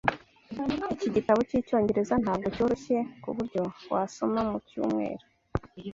Iki gitabo cyicyongereza ntabwo cyoroshye kuburyo wasoma mucyumweru.